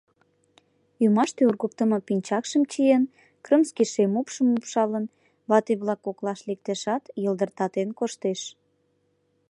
Ӱмаште ургыктымо пинчакшым чиен, крымский шем упшым упшалын, вате-влак коклаш лектешат, йылдыртатен коштеш.